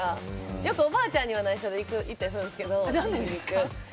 よくおばあちゃんには内緒で行ったりするんですけど。